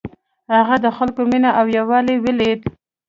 هغه د خلکو مینه او یووالی ولید.